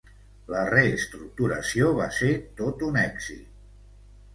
La reestructuració va ser tot un èxit.